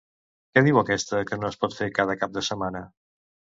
Què diu aquesta que no es pot fer cada cap de setmana?